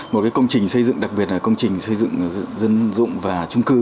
một cái công trình xây dựng đặc biệt là công trình xây dựng dân dụng và chung cư